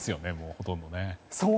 ほとんどね。